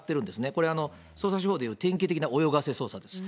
これは捜査手法でいう典型的な泳がせ捜査です。